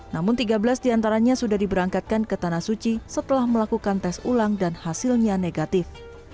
namun tiga belas diantaranya sudah diberangkatkan ke tanah suci setelah melakukan tes ulang dan hasilnya negatif